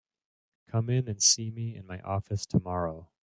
Come in and see me in my office tomorrow.